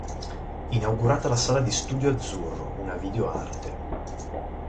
Inaugurata la sala di "Studio Azzurro", una video arte.